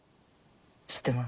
知ってます。